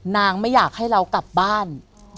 ไม่อยากให้เรากลับบ้าน